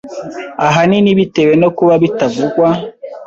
ahanini bitewe no kuba bitavugwa